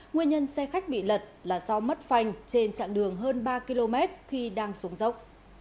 nguyên nhân xe khách bị lật là do mất phanh trên chặng đường hơn ba km khi đang xuống dốc